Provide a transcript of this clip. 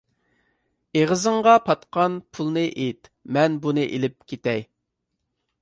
ئېغىزىڭغا پاتقان پۇلنى ئېيت، مەن بۇنى ئېلىپ كېتەي.